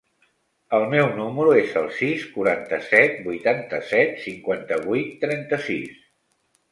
El meu número es el sis, quaranta-set, vuitanta-set, cinquanta-vuit, trenta-sis.